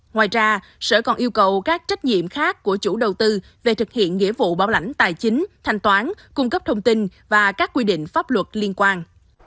ngoài ra sở còn yêu cầu các trách nhiệm khác của chủ đầu tư về thực hiện nghĩa vụ bảo lãnh tài chính thanh toán cung cấp thông tin và các quy định pháp luật liên quan